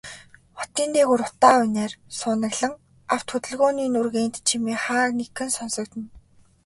Хотын дээгүүр утаа униар суунаглан, авто хөдөлгөөний нүргээнт чимээ хаа нэгхэн сонсогдоно.